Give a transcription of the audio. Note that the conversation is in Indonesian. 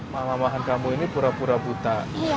mama mamaan kamu ini pura pura buta